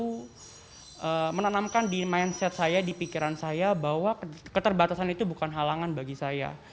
hai menanamkan di mindset saya di pikiran saya bahwa keterbatasan itu bukan halangan bagi saya